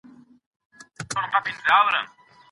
هيڅوک بايد په شکايت او حکايت کي مبالغه ونه کړي.